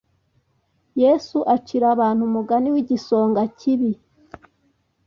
yesu acira abantu umugani w igisonga kibi